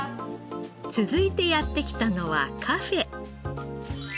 続いてやって来たのはカフェ。